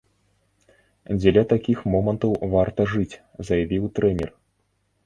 Дзеля такіх момантаў варта жыць, заявіў трэнер.